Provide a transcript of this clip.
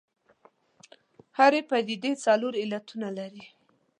هرې پدیدې څلور علتونه لري.